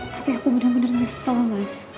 tapi aku bener bener nyesel mas